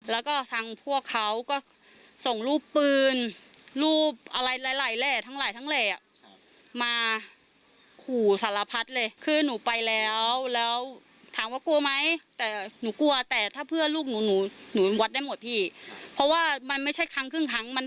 มันไม่ใช่คนที่อื่นมันคนพื้นที่ด้วยกันทั้งนั้น